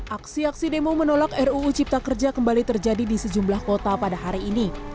aksi aksi demo menolak ruu cipta kerja kembali terjadi di sejumlah kota pada hari ini